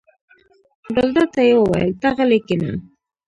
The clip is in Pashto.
ګلداد ته یې وویل: ته غلی کېنه.